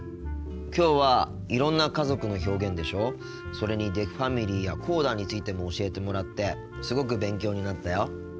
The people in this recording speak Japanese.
きょうはいろんな家族の表現でしょそれにデフファミリーやコーダについても教えてもらってすごく勉強になったよ。